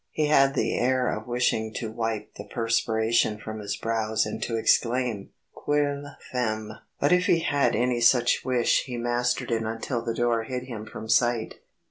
He had the air of wishing to wipe the perspiration from his brows and to exclaim, "Quelle femme!" But if he had any such wish he mastered it until the door hid him from sight.